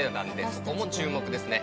そこも注目ですね。